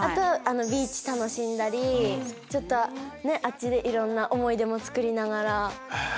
ビーチ楽しんだりあっちでいろんな思い出もつくりながら。